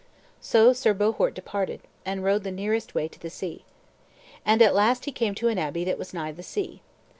So Sir Bohort departed, and rode the nearest way to the sea. And at last he came to an abbey that was nigh the sea.